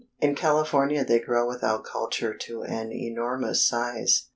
In California they grow without culture to an enormous size.